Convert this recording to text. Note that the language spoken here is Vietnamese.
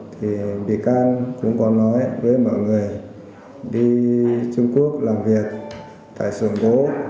thì bị can cũng có nói với mọi người đi trung quốc làm việc tại sườn bố